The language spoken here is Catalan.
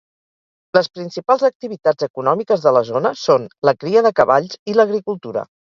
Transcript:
Les principals activitats econòmiques de la zona són la cria de cavalls i l'agricultura.